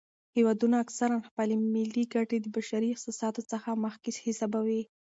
هیوادونه اکثراً خپلې ملي ګټې د بشري احساساتو څخه مخکې حسابوي.